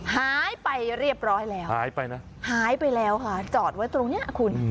หายไปเรียบร้อยแล้วจอดไว้ตรงนี้คุณ